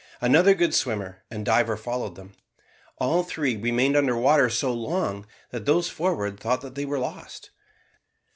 Another good swimmer and diver followed them. All three remained under water so long, that those forward thought they were lost.